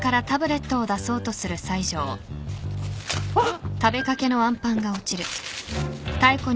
あっ。